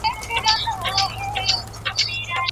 په قلم خط لیکل د پوهي د ترلاسه کولو تر ټولو ریښتینې لاره ده.